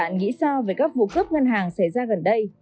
nghĩ sao về các vụ cướp ngân hàng xảy ra gần đây